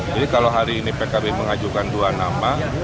jadi kalau hari ini pkb mengajukan dua nama